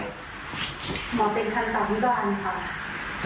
หมอเตรียมทันตะวิบาลค่ะ